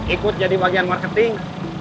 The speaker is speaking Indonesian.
ikut jadi bagian marketing